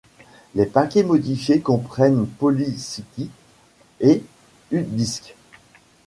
Les paquets modifiés comprennent policykit et udisks.